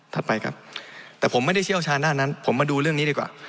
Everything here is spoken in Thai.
ไปครับแต่ผมไม่ได้เชี่ยวชาญด้านนั้นผมมาดูเรื่องนี้ดีกว่า